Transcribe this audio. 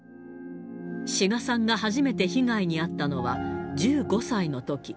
志賀さんが初めて被害に遭ったのは１５歳のとき。